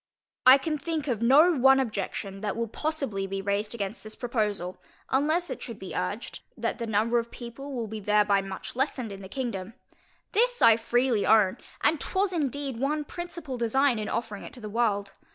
I can think of no one objection, that will possibly be raised against this proposal, unless it should be urged, that the number of people will be thereby much lessened in the kingdom. This I freely own, and was indeed one principal design in offering it to the world.